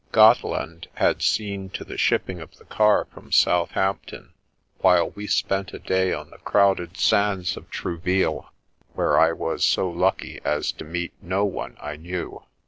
Gotteland had seen to the ship ping of the car from Southampton, while we spent a day on the crowded sands of Trouville, where I was so lucky as to meet no one I knew.